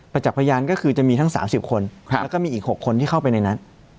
จักษ์พยานก็คือจะมีทั้ง๓๐คนแล้วก็มีอีก๖คนที่เข้าไปในนัด